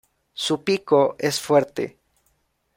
Su pico es fuerte.